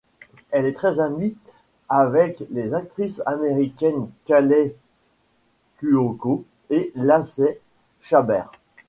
Elle est très amie avec les actrices américaines Kaley Cuoco et Lacey Chabert.